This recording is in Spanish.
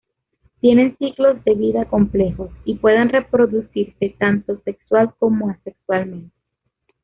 Tienen ciclos de vida complejos y pueden reproducirse tanto sexual como asexualmente.